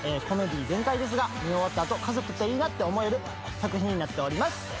コメディー全開ですが見終わった後家族っていいなって思える作品になっております。